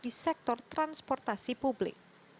di sektor transportasi publik